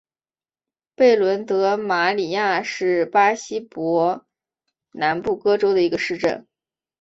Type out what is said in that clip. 贝伦德马里亚是巴西伯南布哥州的一个市镇。